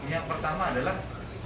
yang pertama adalah